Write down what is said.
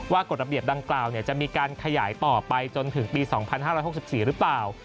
กฎระเบียบดังกล่าวจะมีการขยายต่อไปจนถึงปี๒๕๖๔หรือเปล่า